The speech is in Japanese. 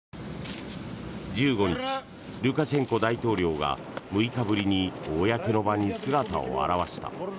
１５日、ルカシェンコ大統領が６日ぶりに公の場に姿を現した。